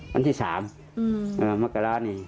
วันที่สามมะกะลานี่